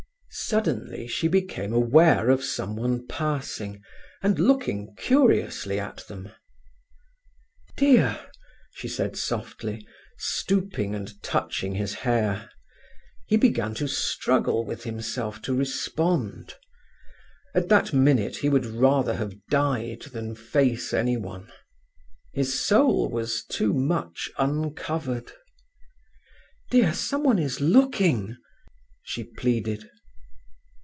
Suddenly she became aware of someone passing and looking curiously at them. "Dear!" she said softly, stooping and touching his hair. He began to struggle with himself to respond. At that minute he would rather have died than face anyone. His soul was too much uncovered. "Dear, someone is looking," she pleaded.